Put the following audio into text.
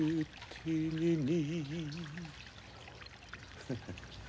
フフフフ。